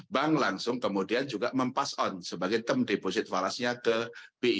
bank langsung kemudian juga mempass on sebagai term deposit falasnya ke bi